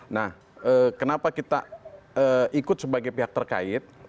nah kenapa kita ikut sebagai pihak terkait